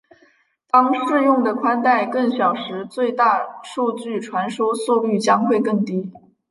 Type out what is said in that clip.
当适用的带宽更小时最大数据传输速率将会更低。